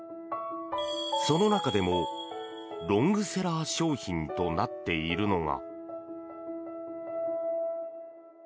その中でも、ロングセラー商品となっているのが。